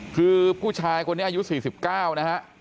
พี่ผู้ชมครับอายุ๔๙นะฮะ